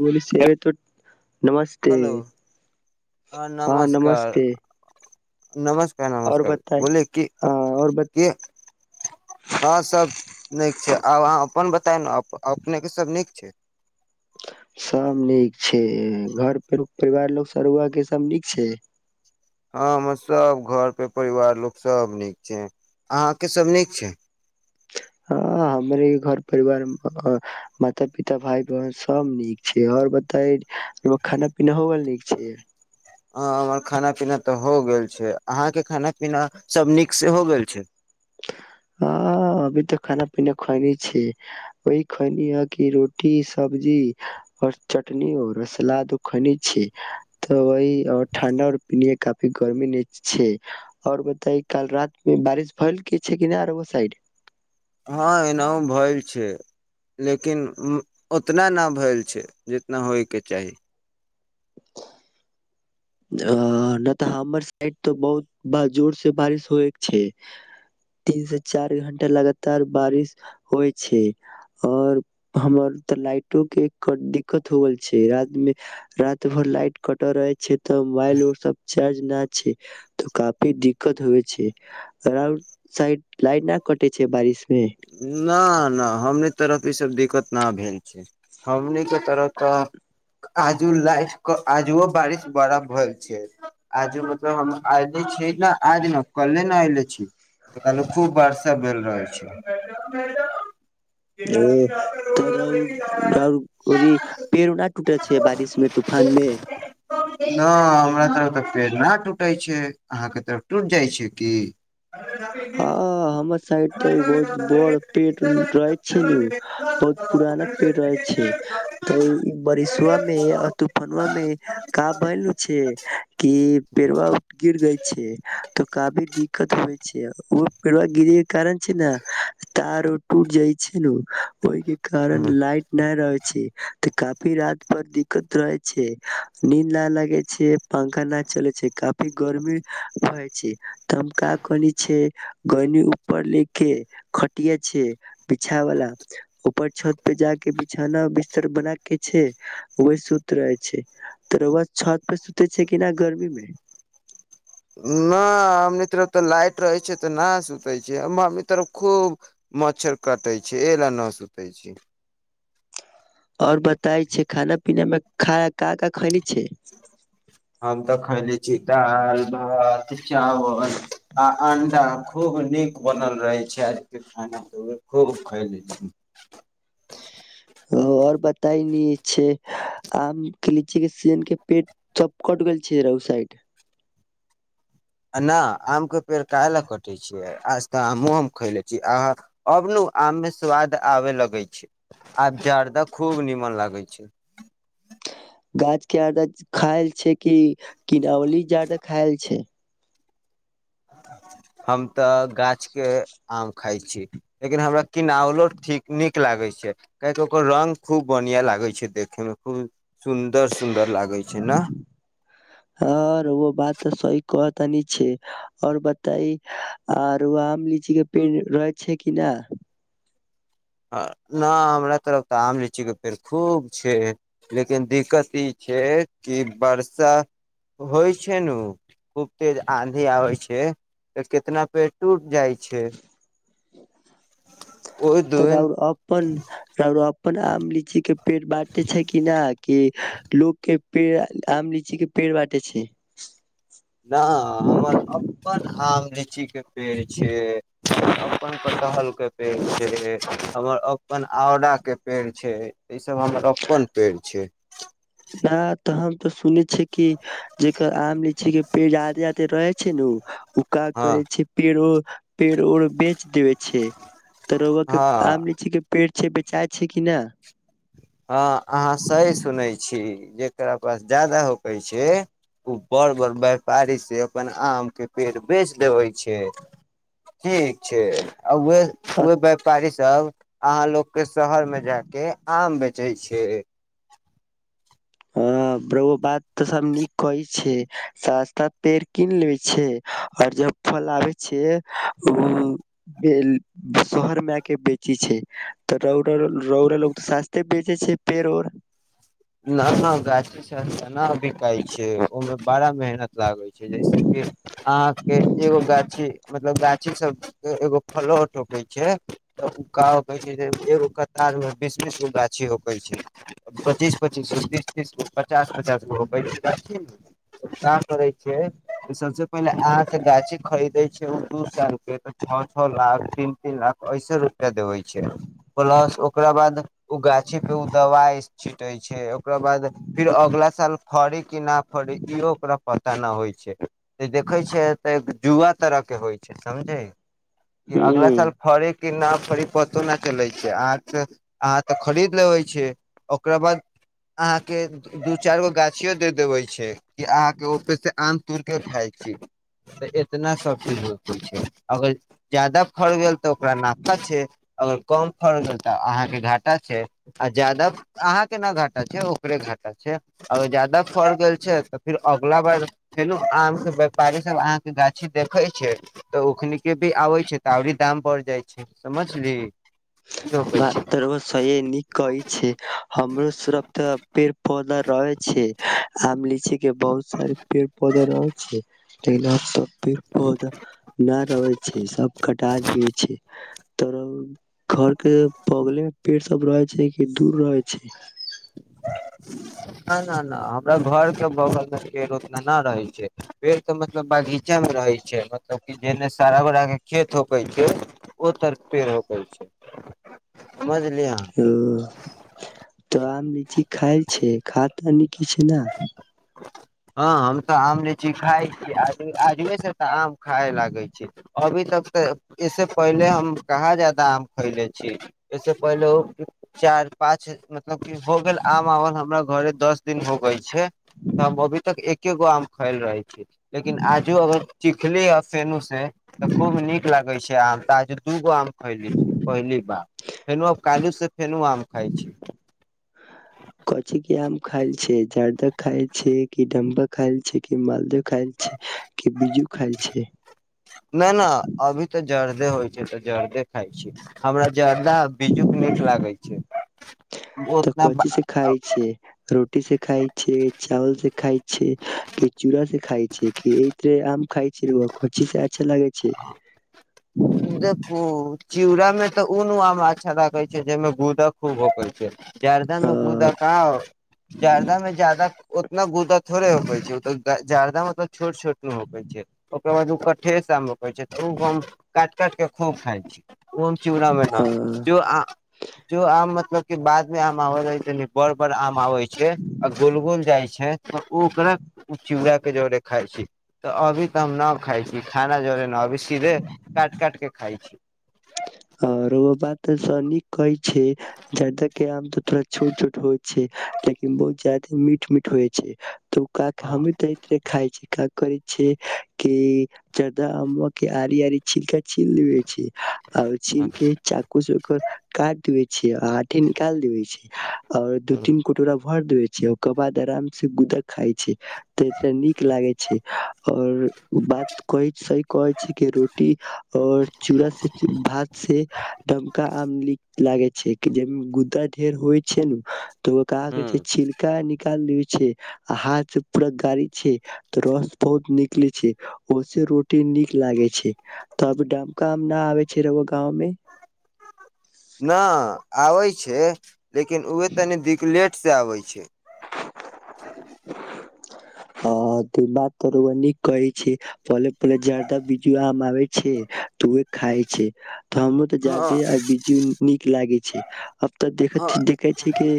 Police cigarette त नमस्ते hello हाँ नमस्ते नमस् क और नमस्कार बताई बोले क हँ और ब क हँ सब नीक छै आब अहाँ अपन बताउ न अपनेके सब नीक छै सब नीक छै घर परिवार लोक सरुआ के सब नीक छै हँ हमर सभ घर पे परिवार लोक सभ नीक छै अहाँके सभ नीक छै हँ हमरे घर परिवार माता पिता भाय बहिन सब नीक छै आओर बता खाना पीना हो गेल नीक छै ह हमर खाना पीना तऽ हो गेल छै अहाँके खाना पीना सब नीक से हो गेल छै ह अभी तऽ खाना पीना खैने छी वह खैलिह कि रोटी सब्जी ओर चटनी और सलाद खैने छी तऽ वही ओ ठण्ड र पीनीए कप गर्मी न छै और बताई काल रात मे बारिश भेल कि छै कि नहि आर ओ साइड हँ एनाहु भइल छै लेकिन उतना न भैल छै जितना होयके चाही अ नहि तऽ हमर साइड तऽ बहुत जोर से बारिश होए के छै तीन से चार घंटा लगातार बारिश होइ छै और हमर तऽ लाइटो के दिक्कत हो गेल छै र मे रात भर लाइट कट रह क्ष तऽ मोबाइल उर सब चार्ज न छै तऽ काफी दिक्कत होइ छै अउड साइड ला न कटे छै बारिश में। न न हमनी तरफ ई सब दि न भेल छै हमनी के तरफ त आजू लाइट के आजुओ बारिश बड़ा भेल छै आजू मतलब हम एऐले छी ने आज ने कले ने एऐले छी कलहे खूब बर्षा भेल रहल छै ओ तऽ रौद रौद पेड़ ना टूटे छै बारिश में तूफान में न हमरा त अत्ते पेड़ न टूटे छै अहाँ के तरफ टूट जाइ छै की हँ हमर बड़ पेड़ लै छैय उ पुराना पेड़ रहय छै त उ परिसवा मे आ दुकानमा मे का भेल छै पेड़ाबा गिर गेल छै काफी दिक्कत होय छिय पेड़ाब गिरे के कारण छै ने तार उर टूट जाइ छु ओहि के कारण लाइट नहि रहे छै तऽ काफी रात पर दिक्कत रहे छै नीन्द नहि लागे छै पंखा न चले छै काफी गर्मी रहै छै त हम का कनि छै गनी ऊपर ले के खटिया छै बिछा वाला ऊपर छत पे जाके बिछौना बिस्तर बना के छै वह सुत रहे छै त रउआ छत पे सुतै छै कि नहि गर्मी मे न हमनी तरफ तऽ लाइट रहै छै तऽ नहि सुतै छै हम हमनी तरफ खूब मच्छर कटै छै एल नहि सुतै छी ओर बताय छै खाना पीना मे खा का का खानै छै हम तऽ खयने छी दाल भात चावल आ अंडा खूब नीक बनल रहे छै आज के खाना त खूब खैलै छी आ ओर बताय नी छै आम के लीची के सीजन के पेट सब कट गेल छै राउ साइड आ नहि आमके पेड़ काहेला कटै छियै आज तऽ आमो हम खयले छीय आ आब नु आममे स्वाद आबय लगै छै आब जाड़दा खूब नीमन लागै छै गाछ के जादा खायल छै कि किनावली जादाा खायल छै हम तऽ गाछ के आम खाइ छी लेकिन हमरा की आ नलो ठीक नीक नीक लागै छै काहके ओकर रंग खूब बढ़िया लागै छै देखे मे खूब सुन्दर सुन्दर लागै छै ना हर ओ बात तऽ सही कह तानी छै आ ओर बताई आर आम लीची के पेड़ रहै छै कि न ना हमरा तरफ तऽ आम लीचीके पेड़ खूब छै लेकिन दिक्कत ई छै कि वर्षा होइ छै ने खूब तेज आंधी आबै छै तऽ कितना पेड़ टूट जाइ छै ओहि तऽ दिन राउर अपन राउर अपन आम लीची के पेट बाँटे छै कि न कि लोक के पेड़ आम लीची के पेड़ बाटे छै न हमर अपन आम लीचीके पेड़ छै हमर अपन कटहलके पेड़ छै हमर अपन औराके पेड़ छै ई सब हमर अपन पेड़ छै नहि तऽ हम तऽ सुनै छियै कि जेकर आम लीची के पेड़ ज्यादे ज्यादे रहै छै नु ओ उका हँ करै छै पेड़ो पेड़ उर बेच देबैय छै तऽ रउआ के आम हँ लीची के पेड़ छै बेचाय छै कि ना हाँ अहाँ सही सुनै छी जेकरा पास ज्यादा होकै छै ओ बड़ बड़ व्यापारी से अपन आम के पेड़ बेच दैबैय छै ठीक छै आ व उहे व्यापारी तब अहाँ लोक के शहर मे जाके आम बेच बेचैय छै हँ ओ बात तऽ सभ नीक कहै छै सस्ता पेड़ कीन लेबै छै आर जब फल आबै छै ओ शहरमे आके बेचै छै तऽ रौउआलोग रौउलोग तऽ सस्ते बेचै छै पेड़ ओर न नहि गाछी सब तऽ नहि बिकाइ छै ओहिमे बड़ा मेहनत लागै छै जैसेकी अहाँके एगो गाछी मतलब गाछी सबके एगो फलोट होकै छै तऽ छै एगो कतारमे बीस बीसगो गाछी होकै छै पचीस पच्चीस गो तीस तीस गो पचास पचास गो होकै छै गाछी काम करे छै सबसे पहिले अहाँ के गाछी खरीदै छै ओ दू सौ रुपै त छ छ लाख तीन तीन लाख ऐसे दे देबई छै प्लस ओ ओकरा बाद ओ गाछीके ओ दबाई कटे छै ओकरा बाद फिर अगला साल फरे केना फड़इ ओकरा पत त नहि होइ छै त देखै छै तऽ जुआ तरह के होइ समझे कि ह अगला साल फरे न फरि पतो नहि चलै छै अहाँके अहाँके तऽ खरीद लेबे छीये ओकरा बाद अहाँके दू चारि गो गाछियो देऽ देबै छै कि अहाँके ओहिपर से आम तोड़िके खाइ छी तऽ एतना सब चीज होइ छै अगर ज्यादा फड़ गेल तऽ ओकरा नफा छै अगर कम फड़ गेल तऽ अहाँके घाटा छै आ ज्यादा अहाँ के ना घाटा छै ओकरे घाटा छै अर ज्यादा फड़ गेल छै तऽ फेर अगलाा बार फेनू आम के व्यापारी सब अहाँके गाछी देखे छै तऽ ओखन के भी आबै छै तऽ आओरी दाम बढ़ जाइ छै समझली रोपै छै बात त रौवा निक कहे छै हमरो सरफ तऽ पेड़ पौधा रहै छै आम लीची बहुत सारी पेड़ पौधा रहय छै तैला तऽ पेड़ पौधा न रहैय छै सब कटा दै छै त घर के बगलेमे पेड़ सब रहै छै कि दूर रहै छै आइ न न हमरा घर के बगलमे पेड़ उतना न न रहे छै पेड़ तऽ मतलब बगीचामे रहे छै मतलब की जेने सारा बड़ा के खेत होकै छै ओ तरफ पेड़ होकै छै अहाँ ओ तऽ आम ची खा छै खा तान कि छै ने हँ हम तऽ आम लीची खााय छी आ आजुए से तऽ आम खाय लागै छै अभी तक तऽ इसे पहिले हम कहा जाादा खैले छी एसे पहिलेहो चार पाँच गेल आम आवल हमरा घरे दस दिन हो गइ छै हम अभी तक एक एकगो आम खैल रहै लेकिन आजू अगर चिखले फे नु तऽ खूब नीक लागै छै आम ता जरगु वाम खली छी पहली बार फेर आ काल् से फेर आम खााय छी खाय छै कि डम्भा खायल छै कि मालदह खायल छै कि बीजु खायल छै न न अभी तऽ जर्दे होइ छै जर्दे खााय छी हमरा जर्दा बी्जूक नीक लागै छै तऽ ओतना कथी से खाय छै रोटी से खाय छै चावल से खाय छै कि चूड़ा खाय से कि आम खा छी र खो छी से अच्छा लागे जी देखू चूड़ा में तऽ ऊ नु आम छौरा कहै छै जेमे गुदा जर्दा मे अ कूदा कहाँ जार्दामें जदा ने गुदा त थोड़े होै छै ओ जारदा मतलब छोट छोट न मकै छै ओकर बाद ओका ठेस आम कहै छै तू गम काटि काटके खूब खाइ छी ओम जुड़ा मैना अ जो जो आम मतलब के बाद मे आम आबल जाइ छैनि बड़ बड़ आम आबइ छै गोल गोल जाइ छै तऽ ओ ओकरा चुड़ा के जोरे खाइ छी तऽ अभी तऽ हम न खाइ छी खाना जोरे न अभी सीधे काट काट के खाइ छी आओर ओ बात त नीक कहै छै जर्दा के आम तऽ थोड़ा छोट छोट होइ छै लेकिन बहुत ज्यादे मीठ मीठ होइ छै तऽ ओ क के हमी तऽ इतरे खााय छियै क करै छै कि चढ़दा आम् के आरी आरी छिलका छिल लेबे छै आओर चीन के चाकू से ओकर काट देै अ आठी निकाल दिबै आओर दू तीन कटोरा भर देे छै ओकर बाद आराम से गुदक खााय छै त नीक लागे छै और बात कह सही कहे छै के रोटी और चूड़ा से भात से तनका आम निक लागे छै जे गुदा ढेर होइ छै ने तऽ ओ कह छै छिलका नाल छै हाथ से पूरा गाड़ी छै तऽ रस बहुत निकले छै ओसे रोटी नीक लागे छै तब डमका आबे छै छेरवा गाँव मे न आबै छै लेकिन उह तनि दिकलेट से आबै छै ह त बात रउआ नीक कही छै भल पल ज त बीज आम आ छै तऽ खाय छै तऽ हम तऽ जा हँ दे आ बिजी न लागै छै तऽ देख हँ देखे छी क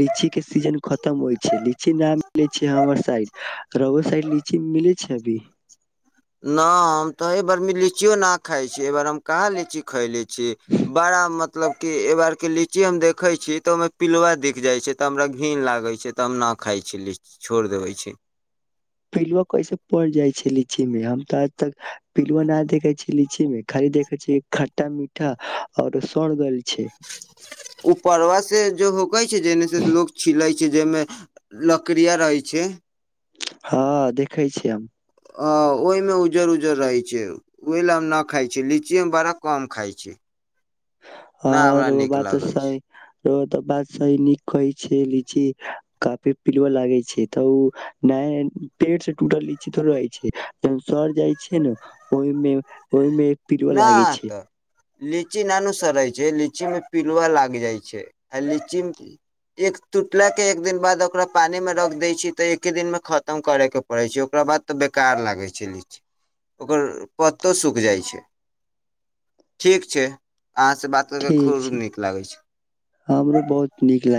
लीची के सीजन खतम होय छै नाम मिले छैय हमर साइड रउआ साइड लीची मिलै छै अभी न हम तऽ एहि बार लीचियो ना खााय छी एहि बार हम कहाँ लीची खायले छी बड़ा मतब मतलब की एहिबार के लीची हम देखे छी तऽ ओहिमे पिलवा दिख जाइ छै तऽ हमरा घिन लागै छै तऽ हम न खााय छी लीची छोड़ देबे छी पिलुआ कैसे पड़ जाइ छै लीची में हम तो आज तक पिलुआ न देखे छी लीची में खाली देखे छी खटटा मीठा और सर गेईल उपरवस जो होकै छै जेने से लोग छिलै छै जेमे लकड़िया रहै छै हँ देखैय छीय हम आ ओहिमे उज्जर उज्जर रहैत छै ओहि लए हम नहि खाइ छी लीचीमे बड़ा कम खाइ छी न आओर हमरा ओ नीक बात लगै छै सही त बात सही नीक कहै छै लीची काफी पिलुआ लागे छै तऽ ओ नया पेड़ से टूटल लीची थोड़ रहै छै जन सर जाय छै ने ओहिमे ओहिमे पिलुआ न लागे छै तऽ लीची नानु रहै छै पिलऽ लागि जाइ छै आ लीच एक टूटलाके एक दिन बाद ओकरा पानी मे रख दै छी तऽ एके दिनमे खतम करे के पड़ै छै ओकरा बाद तऽ बेकार लागै छै ओ कतौ सुख जाइ छै ठीक छै अहाँसँ बात करिकऽ ठीक खूब छै नीक लागै छै हमरो बहुत नीक लागे